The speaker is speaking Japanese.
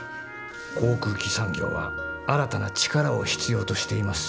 航空機産業は新たな力を必要としています。